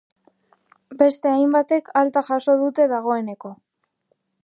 Beste hainbatek alta jaso dute dagoeneko.